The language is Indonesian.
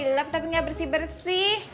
gelap tapi nggak bersih bersih